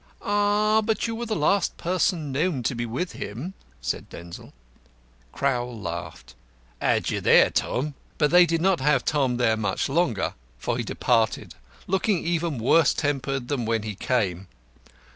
"Ah, but you were the last person known to be with him," said Denzil. Crowl laughed. "Had you there, Tom." But they did not have Tom there much longer, for he departed, looking even worse tempered than when he came.